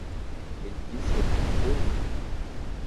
Ele disse alguma coisa?